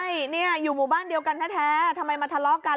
ใช่เนี่ยอยู่หมู่บ้านเดียวกันแท้ทำไมมาทะเลาะกัน